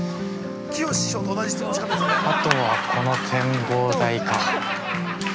あとはこの展望台か。